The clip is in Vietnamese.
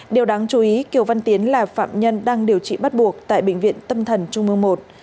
điều đáng chú ý kiều văn tiến là phạm nhân đang điều trị bắt buộc tại bệnh viện tâm thần trung mương i